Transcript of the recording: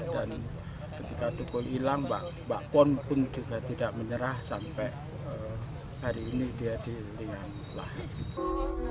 dan ketika dukul hilang mbak pon pun juga tidak menyerah sampai hari ini dia dilingan lahir